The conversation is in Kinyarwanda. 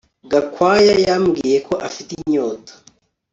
Gakwaya yambwiye ko afite inyota